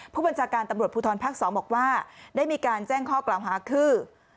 ผู้บัญชาการตำรวจภูทรภาค๒บอกว่าได้มีการแจ้งข้อกล่าวหาคือ